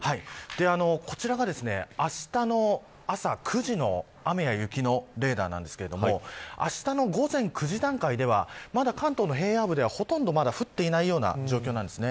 こちらが、あしたの朝９時の雨や雪のレーダーなんですけれどもあしたの午前９時段階ではまだ関東の平野部ではほとんどまだ降っていないような状況なんですね。